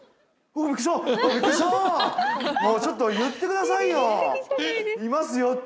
もうちょっと言ってくださいよ。